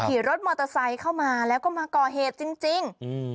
ขี่รถมอเตอร์ไซค์เข้ามาแล้วก็มาก่อเหตุจริงจริงอืม